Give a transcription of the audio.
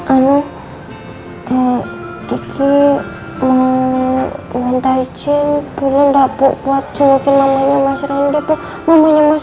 anu anu tiki menguantai jin pulang dapuk buat cuy namanya mas rendy bukannya mas